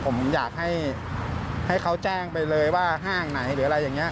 ผมอยากให้เขาแจ้งไปเลยว่าห้างไหนหรืออะไรอย่างนี้